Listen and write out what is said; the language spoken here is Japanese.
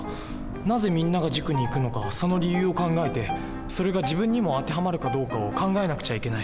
なぜみんなが塾に行くのかその理由を考えてそれが自分にも当てはまるかどうかを考えなくちゃいけない。